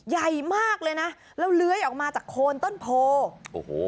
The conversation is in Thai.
ใหญ่มากเลยนะแล้วเลื้อยออกมาจากโคนต้นโพโอ้โห